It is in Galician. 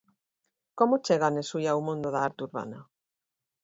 Como chega Nesui ao mundo da arte urbana?